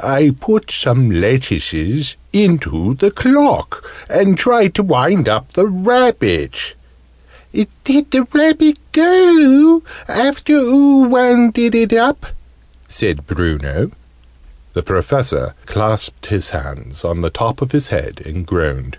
I put some lettuces into the clock, and tried to wind up the rabbit!" "Did the rabbit go, after oo wounded it up?" said Bruno. The Professor clasped his hands on the top of his head, and groaned.